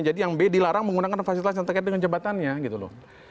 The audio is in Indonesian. jadi yang b dilarang menggunakan fasilitas yang terkait dengan jabatannya gitu loh